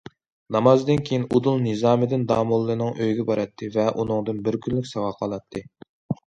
نامازدىن كېيىن ئۇدۇل نىزامىدىن داموللىنىڭ ئۆيىگە باراتتى ۋە ئۇنىڭدىن بىر كۈنلۈك ساۋاق ئالاتتى.